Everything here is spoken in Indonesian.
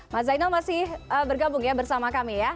mas zainal masih bergabung ya bersama kami ya